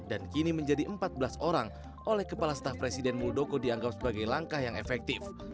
dan kini menjadi empat belas orang oleh kepala staff presiden muldoko dianggap sebagai langkah yang efektif